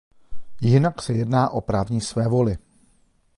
Jinak se jedná o právní svévoli.